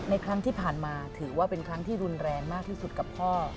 ครั้งที่ผ่านมาถือว่าเป็นครั้งที่รุนแรงมากที่สุดกับพ่อ